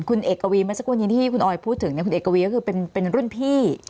คุณเอกวีเมื่อสักวันนี้ที่คุณออยพูดถึงคุณเอกวีก็คือเป็นรุ่นพี่